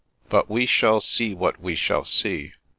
" But we shall see what we shall see."